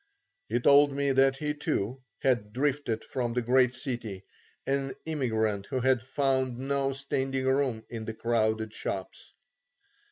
He told me that he too, had drifted from the great city, an immigrant who had found no standing room in the crowded shops.